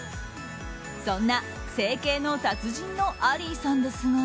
そんな整形の達人のアリーさんですが。